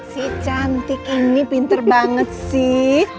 si cantik ini pinter banget sih